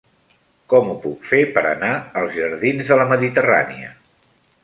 Com ho puc fer per anar als jardins de la Mediterrània?